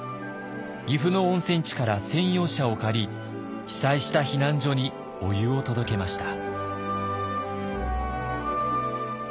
岐阜の温泉地から専用車を借り被災した避難所にお湯を届けました。